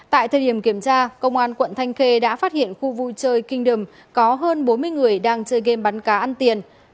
tại thời điểm kiểm tra công an quận thanh khê đã phát hiện khu vui chơi kinh đum có hơn bốn mươi người đang chơi game bắn cá ăn tiền